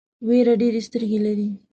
وېره ډېرې سترګې لري.